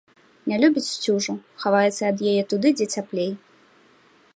Не любіць сцюжу, хаваецца ад яе туды, дзе цяплей.